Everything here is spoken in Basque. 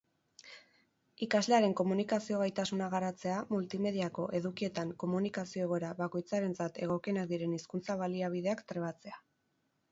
Ikaslearen komunikazio gaitasuna garatzea, multimediako edukietan komunikazio-egoera bakoitzarentzat egokienak diren hizkuntza-baliabideak trebatzea.